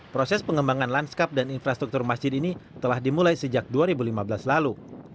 proses pengembangan lanskap dan infrastruktur masjid ini telah dimulai sejak dua ribu lima belas lalu